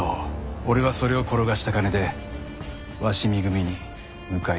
俺はそれを転がした金で鷲見組に迎え入れてもらった。